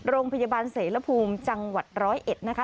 โรงพยาบาลเสรภูมิจังหวัดร้อยเอ็ดนะคะ